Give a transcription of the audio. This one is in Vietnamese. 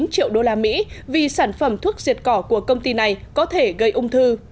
hai trăm tám mươi chín triệu đô la mỹ vì sản phẩm thuốc diệt cỏ của công ty này có thể gây ung thư